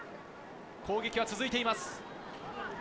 攻撃は続いています。